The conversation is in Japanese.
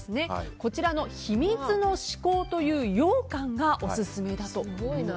こちらの秘密の四更というようかんがオススメだと。